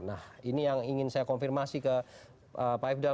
nah ini yang ingin saya konfirmasi ke pak ifdal